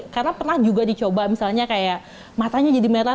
karena pernah juga dicoba misalnya kayak matanya jadi merah